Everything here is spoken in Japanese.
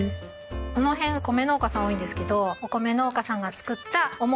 この辺米農家さん多いんですけどお米農家さんが作ったお餅。